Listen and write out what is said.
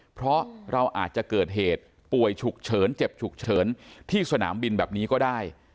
เพราะเราอาจจะเกิดเหตุป่วยฉุกเฉินเจ็บฉุกเฉินที่สนามบินแบบนี้ก็ได้